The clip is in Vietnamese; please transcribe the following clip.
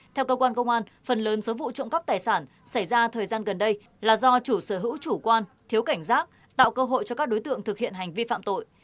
theo cơ quan công an phần lớn số vụ trộm cắp tài sản xảy ra thời gian gần đây là do chủ sở hữu chủ quan thiếu cảnh giác tạo cơ hội cho các đối tượng thực hiện hành vi phạm tội